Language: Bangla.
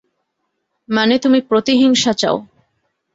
মানে তুমি প্রতিহিংসা চাও।